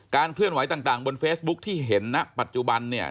เคลื่อนไหวต่างบนเฟซบุ๊คที่เห็นณปัจจุบันเนี่ย